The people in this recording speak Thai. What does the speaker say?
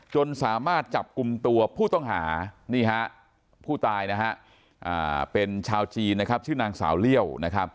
จนสามารถจับกลุ่มตัวผู้ต้องหานี่ฮะผู้ตายนะฮะเป็นชาวจีนนะครับชื่อนางสาวเลี่ยว